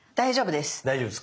大丈夫です。